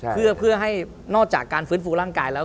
เพื่อให้นอกจากการฟื้นฟูร่างกายแล้ว